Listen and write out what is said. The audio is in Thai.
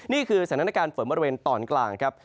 นี่คือสถานการณ์ฝนบริเวณตอนกลางครับ